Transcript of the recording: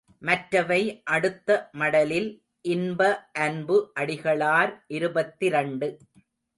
மற்றவை அடுத்த மடலில் இன்ப அன்பு அடிகளார் இருபத்திரண்டு.